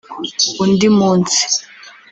Undi munsi